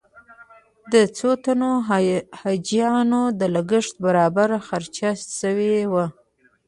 د څو تنو حاجیانو د لګښت برابر خرچه شوې وي.